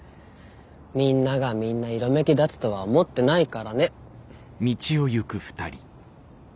みんながみんな色めき立つとは思ってないからね。